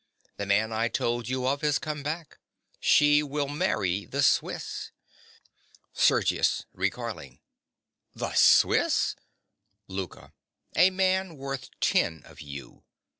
The man I told you of has come back. She will marry the Swiss. SERGIUS. (recoiling). The Swiss! LOUKA. A man worth ten of you.